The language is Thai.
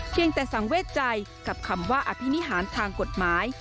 เพียงแต่สังเวทใจกับคำว่าอภินิหารทางกฎหมาย